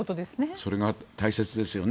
それが大切ですよね。